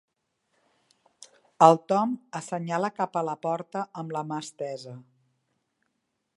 El Tom assenyala cap a la porta amb la mà estesa.